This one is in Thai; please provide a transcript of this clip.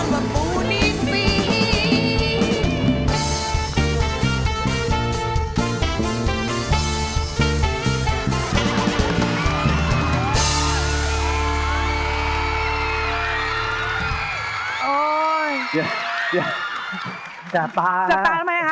ที่ขาดใจตายอดว่าปูนี่ปี่